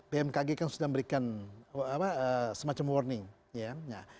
pmkg kan sudah memberikan semacam warning